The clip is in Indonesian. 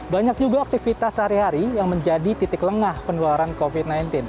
banyak juga aktivitas sehari hari yang menjadi titik lengah penularan covid sembilan belas